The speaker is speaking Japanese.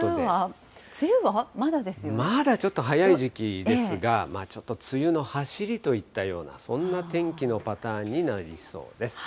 まだちょっと早い時期ですが、ちょっと梅雨のはしりといったような、そんな天気のパターンになりそうです。